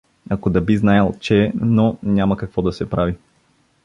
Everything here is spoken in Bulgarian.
Ако да би знаял, че… Но няма какво да се прави.